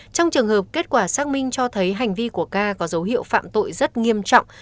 trong trường hợp kết quả xác minh cho thấy hành vi của ca có dấu hiệu phạm tội rất nghiêm trọng